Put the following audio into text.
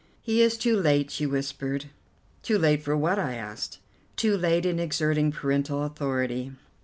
"He is too late," she whispered. "Too late for what?" I asked. "Too late in exerting parental authority."